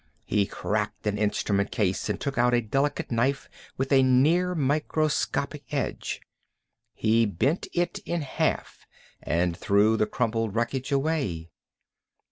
He cracked an instrument case and took out a delicate knife with a near microscopic edge. He bent it in half and threw the crumpled wreckage away.